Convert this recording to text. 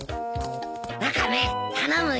ワカメ頼むよ。